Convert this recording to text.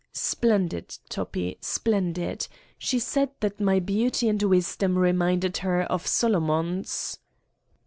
" Splendid, Toppi, splendid! She said that my beauty and wisdom reminded her of Solomon's!"